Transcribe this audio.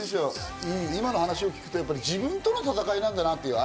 今の話を聞くと、自分との戦いなんだなって。